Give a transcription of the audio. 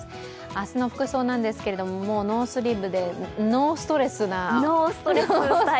明日の服装なんですけれどもノースリーブでノーストレスな。